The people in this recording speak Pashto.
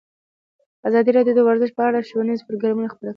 ازادي راډیو د ورزش په اړه ښوونیز پروګرامونه خپاره کړي.